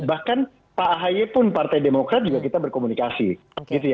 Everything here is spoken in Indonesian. bahkan pak ahy pun partai demokrat juga kita berkomunikasi